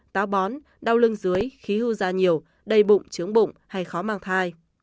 táo bón đau lưng dưới khí hưu da nhiều đầy bụng chướng bụng hay khó mang thai